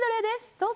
どうぞ。